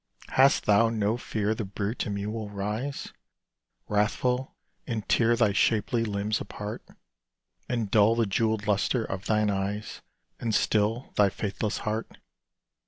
Hast thou no fear the brute in me will rise, Wrathful, and tear thy shapely limbs apart, And dull the jewelled lustre of thine eyes, And still thy faithless heart?